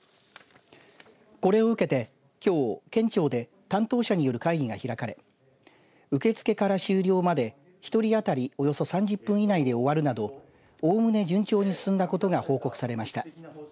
これを受けてきょう県庁で担当者による会議が開かれ受け付けから終了まで１人当たりおよそ３０分以内で終わるなどおおむね順調に進んだことが報告されました。